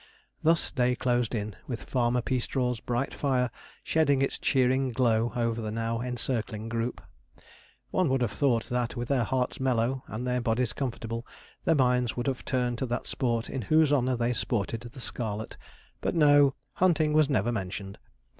Thus day closed in, with Farmer Peastraw's bright fire shedding its cheering glow over the now encircling group. One would have thought that, with their hearts mellow, and their bodies comfortable, their minds would have turned to that sport in whose honour they sported the scarlet; but no, hunting was never mentioned.